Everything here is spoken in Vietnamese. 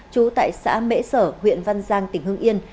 trú tại xã mễ sở huyện văn giang tỉnh hưng yên